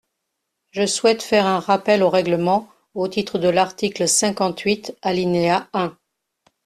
Je souhaite faire un rappel au règlement au titre de l’article cinquante-huit, alinéa un.